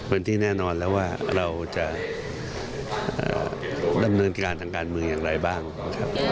เป็นที่แน่นอนแล้วว่าเราจะดำเนินการทางการเมืองอย่างไรบ้างนะครับ